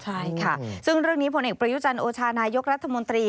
ใช่ค่ะซึ่งเรื่องนี้ผลเอกประยุจันทร์โอชานายกรัฐมนตรี